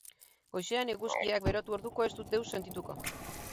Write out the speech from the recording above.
Goizean, eguzkiak berotu orduko, ez dut deus sentituko.